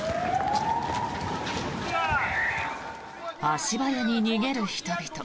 足早に逃げる人々。